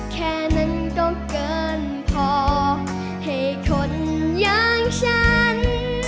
แค่นั้นก็เกินพอให้คนอย่างฉัน